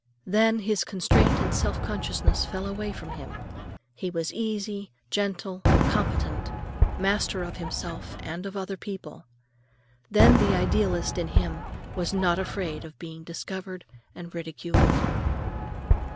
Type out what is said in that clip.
Then his constraint and self consciousness fell away from him. He was easy, gentle, competent, master of himself and of other people. Then the idealist in him was not afraid of being discovered and ridiculed.